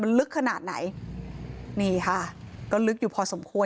มันลึกขนาดไหนนี่ค่ะก็ลึกอยู่พอสมควร